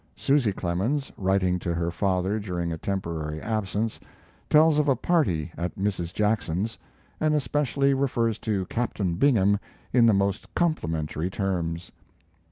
Susy Clemens, writing to her father during a temporary absence, tells of a party at Mrs. Jackson's, and especially refers to Captain Bingham in the most complimentary terms.